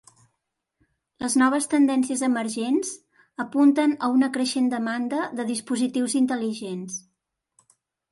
Les noves tendències emergents apunten a una creixent demanda de dispositius intel·ligents.